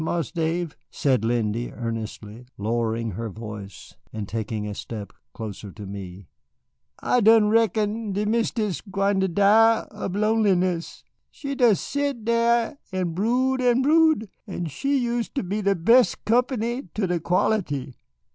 Marse Dave," said Lindy earnestly, lowering her voice and taking a step closer to me, "I done reckon de Mistis gwine ter die ob lonesomeness. She des sit dar an' brood, an' brood an' she use' ter de bes' company, to de quality.